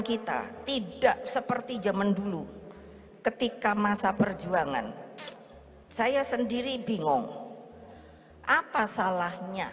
kita tidak seperti zaman dulu ketika masa perjuangan saya sendiri bingung apa salahnya